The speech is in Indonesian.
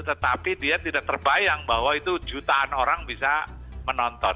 tetapi dia tidak terbayang bahwa itu jutaan orang bisa menonton